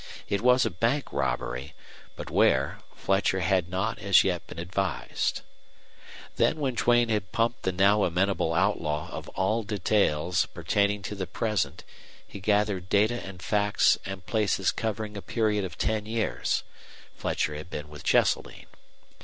It was a bank robbery; but where, Fletcher had not as yet been advised. Then when Duane had pumped the now amenable outlaw of all details pertaining to the present he gathered data and facts and places covering a period of ten years Fletcher had been with Cheseldine.